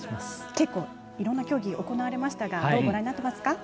結構、いろんな競技行われましたがご覧になっていますか？